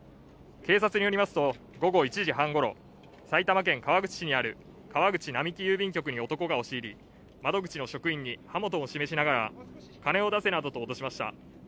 警察によりますと、午後１時半ごろ、埼玉県川口市にある川口並木郵便局に男が押し入り窓口の職員に刃物を示しながら金を出せなどと脅しました。